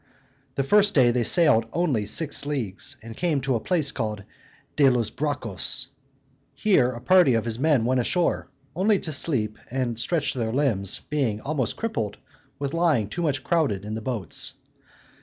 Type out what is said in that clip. The first day they sailed only six leagues, and came to a place called De los Bracos. Here a party of his men went ashore, only to sleep and stretch their limbs, being almost crippled with lying too much crowded in the boats.